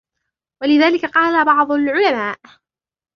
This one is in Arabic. وَلِذَلِكَ قَالَ بَعْضُ الْعُلَمَاءِ